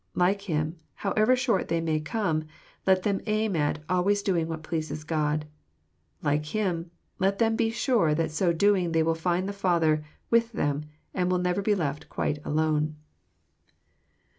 Like Him, however short they may come, let them aim at " always doing what pleases God." Like Him, let them be sure that so doing they will find the Father with them," and will never be left quite alone.'